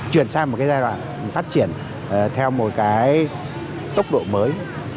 chuyển sang một cái giai đoạn phát triển theo một cái tốc độ mới